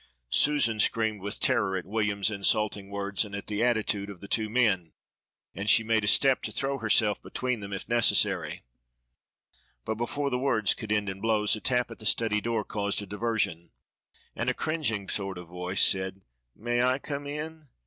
Susan screamed with terror at William's insulting words and at the attitude of the two men, and she made a step to throw herself between them if necessary; but before words could end in blows a tap at the study door caused a diversion, and a cringing sort of voice said "May I come in?"